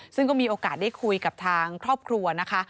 ซึ่งก็มีโอกาสได้คุยกับทางครอบครัวนะคะ